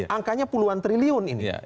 angkanya puluhan triliun ini